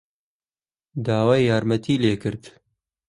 داوای یارمەتیی لێ کرد.